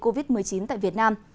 covid một mươi chín tại việt nam